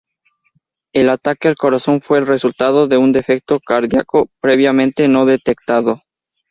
El ataque al corazón fue el resultado de un defecto cardíaco previamente no detectado.